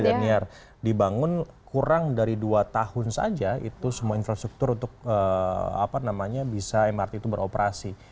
dan biar dibangun kurang dari dua tahun saja itu semua infrastruktur untuk bisa mrt itu beroperasi